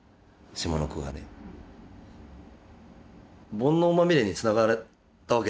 「煩悩まみれ」につながったわけですね。